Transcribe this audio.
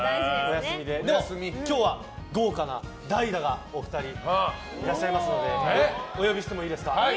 今日は豪華な代打がお二人いらっしゃいますのでお呼びしてもいいですか。